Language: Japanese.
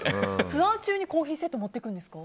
ツアー中にコーヒーセット持っていくんですか？